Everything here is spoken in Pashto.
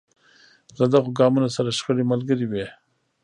له دغو ګامونو سره شخړې ملګرې وې.